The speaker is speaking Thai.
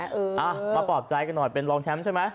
เออมาปลอบใจกันหน่อยเป็นรองแชมป์ใช่ไหม